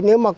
nếu mà con